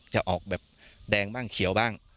จะออกแบบแดงบ้างเขียวบ้าง